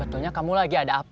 sebetulnya kamu lagi ada apa